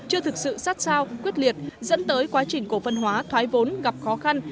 chưa thực sự sát sao quyết liệt dẫn tới quá trình cổ phân hóa thoái vốn gặp khó khăn